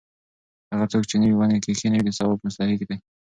هغه څوک چې نوې ونې کښېنوي د ثواب مستحق دی.